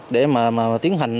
để mà tiến hành